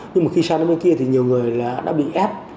nhưng mà khi sang đến bên kia thì nhiều người là đã bị ép